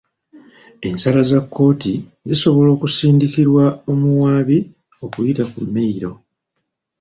Ensala za kkooti zisobola okusindikirwa omuwaabi okuyita ku mmeyiro.